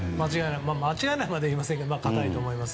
間違いなくまでは言いませんが固いと思います。